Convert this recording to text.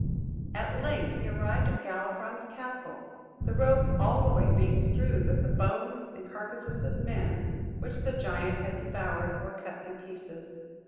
At length he arrived at Galifron's castle, the roads all the way being strewed with the bones and carcasses of men which the giant had devoured, or cut in pieces.